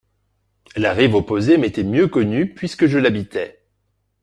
La rive opposée m'était mieux connue puisque je l'habitais.